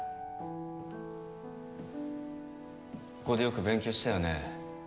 ここでよく勉強したよね